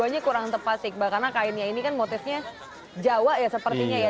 dua ratus dua puluh dua nya kurang tepat karena kainnya ini kan motifnya jawa ya sepertinya ya